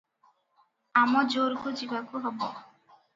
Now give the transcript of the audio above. ଆମଜୋରକୁ ଯିବାକୁ ହେବ ।